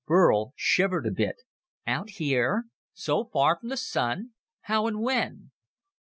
Burl shivered a bit. "Out here? So far from the Sun? How and when?"